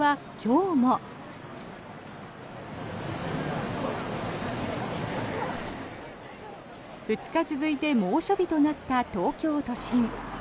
２日続いて猛暑日となった東京都心。